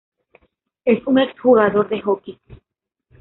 Es un ex jugador de Hockey.